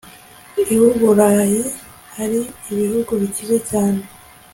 iwuburayi hari ibihugu bikize cyane